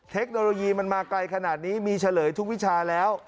เทคโนโลยีมันมาไกลขนาดนี้มีเฉลยทุกวิชาแล้ว